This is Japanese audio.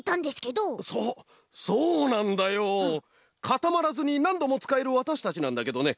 かたまらずになんどもつかえるわたしたちなんだけどね